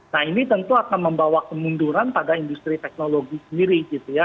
nah ini tentu akan membawa kemunduran pada industri teknologi sendiri gitu ya